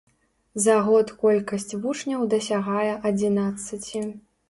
За год колькасць вучняў дасягае адзінаццаці.